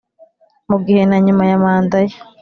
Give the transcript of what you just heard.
Mu gihe na nyuma ya manda ye